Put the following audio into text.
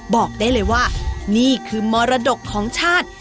บอกได้เลยว่านี่คือมรดกของชาติ